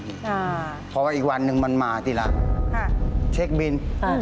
เพราะว่าอีกวันนึงมันมาทีละเช็คบิน